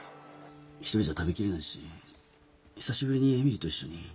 １人じゃ食べきれないし久しぶりにえみりと一緒に。